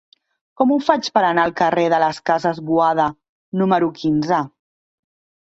Com ho faig per anar al carrer de les Cases Boada número quinze?